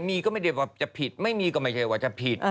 มีก็ไม่ได้ว่าจะผิดไม่มีก็ไม่ใช่ว่าจะผิด